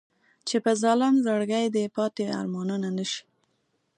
چې په ظالم زړګي دې پاتې ارمانونه نه شي.